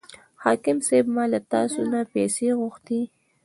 حاکم صاحب ما له تاسې نه پیسې غوښتې.